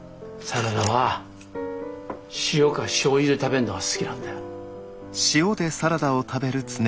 サラダは塩か醤油で食べるのが好きなんだよ。